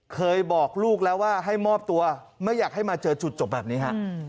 เคยบอกลูกแล้วว่าให้มอบตัวไม่อยากให้มาเจอจุดจบแบบนี้ฮะ